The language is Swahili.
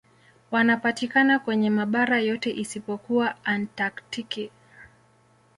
Wanapatikana kwenye mabara yote isipokuwa Antaktiki.